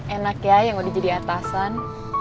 enak ya yang udah jadi atasan